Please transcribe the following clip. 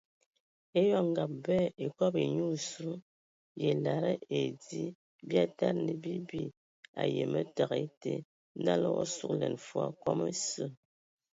Eyɔŋ ngab bɛ yə a ekob ai e nyi osu yə a e lada ai dzə bi a tadi na bi aweme təgɛ ete, nala o a sugəlɛn fol kɔm esə.